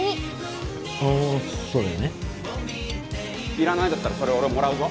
要らないんだったらそれ俺もらうぞ。